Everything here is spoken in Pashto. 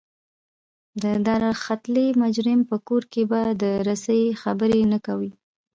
د دارختلي مجرم په کور کې به د رسۍ خبرې نه کوئ.